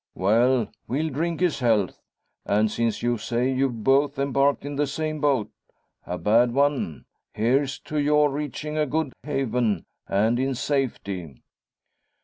"Well; we'll drink his health. And since you say you've both embarked in the same boat a bad one here's to your reaching a good haven, and in safety!"